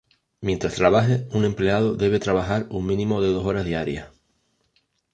Mientras trabaje, un empleado debe trabajar un mínimo de dos horas diarias.